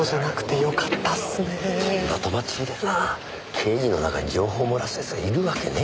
刑事の中に情報を漏らす奴がいるわけねえのになぁ。